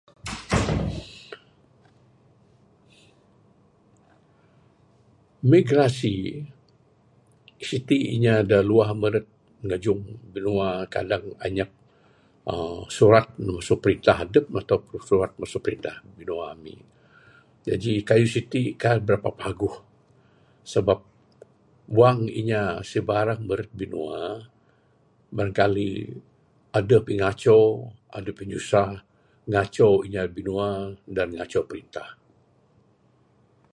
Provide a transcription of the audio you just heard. Migrasi siti inya dak luah miret ngejung binua kadang inyap uhh surat ne mesu printah adep ne ataupun mesu printah binua ami. Jadi keyuh siti kai berapa paguh sabab, wang inya sibarang meret binua barang kali adeh pingaco adeh pinyusah ngaco inya dak binua dan ngaco printah.